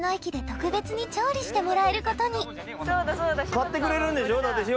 買ってくれるんでしょ？